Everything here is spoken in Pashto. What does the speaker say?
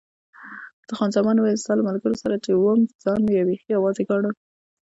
خان زمان وویل، ستا له ملګرو سره چې وم ځان مې بیخي یوازې ګاڼه.